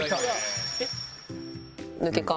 「抜け感」